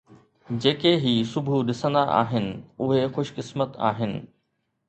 جيڪي هي صبح ڏسندا آهن اهي خوش قسمت آهن.